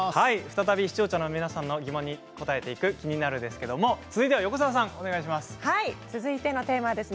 再び視聴者の皆さんの疑問に答えていく「キニナル」ですけれども続いては横澤さんお願いします。